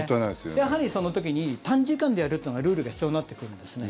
やはりその時に短時間でやるというルールが必要になってくるんですね。